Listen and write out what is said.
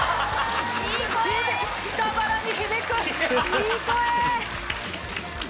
いい声！